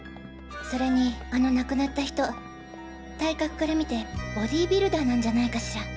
それにあの亡くなった人体格からみてボディビルダーなんじゃないかしら？